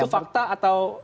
itu fakta atau